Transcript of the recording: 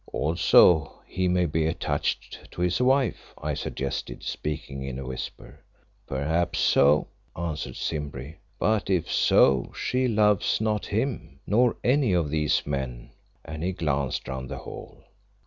"Also he may be attached to his wife," I suggested, speaking in a whisper. "Perhaps so," answered Simbri; "but if so, she loves not him, nor any of these men," and he glanced round the hall.